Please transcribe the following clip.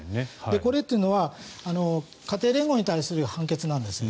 これっていうのは家庭連合に対する判決なんです。